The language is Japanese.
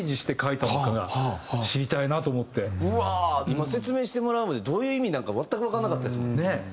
今説明してもらうまでどういう意味なんか全くわかんなかったですもん。